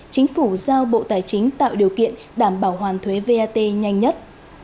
chính phủ giao bộ tài chính tạo điều kiện đảm bảo hoàn thuế vat nhanh nhất